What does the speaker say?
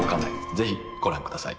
ぜひご覧下さい。